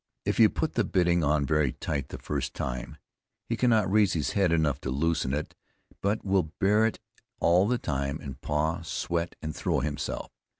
If you put the bitting on very tight the first time, he cannot raise his head enough to loosen it, but will bear on it all the time, and paw, sweat and throw himself.